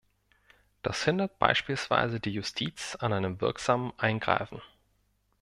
Das hindert beispielsweise die Justiz an einem wirksamen Eingreifen.